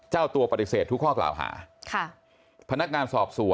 เจ้าตัวผลิติเศษทุกข้อกล่าวหา